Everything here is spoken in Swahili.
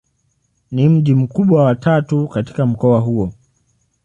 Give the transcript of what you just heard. Ni mji mkubwa wa tatu katika mkoa huu.